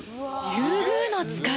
リュウグウノツカイ！